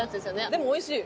でもおいしい。